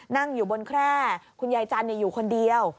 นั่งอยู่บนแคร่คุณยายจันทร์อยู่คนเดียว